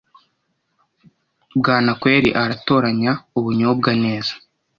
bwanakweri aratoranya ubunyobwa neza